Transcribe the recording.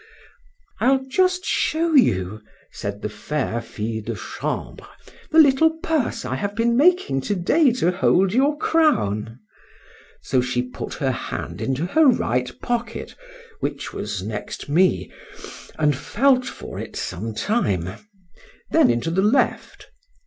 I'll just show you, said the fair fille de chambre, the little purse I have been making to day to hold your crown. So she put her hand into her right pocket, which was next me, and felt for it some time—then into the left.